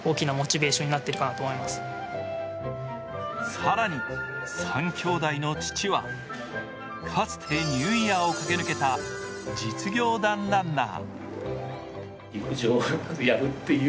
更に３兄弟の父はかつてニューイヤーを駆け抜けた実業団ランナー。